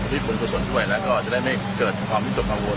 มีคุณกดสนด้วยแล้วก็จะได้ไม่เกิดความลิตรกรรมลวล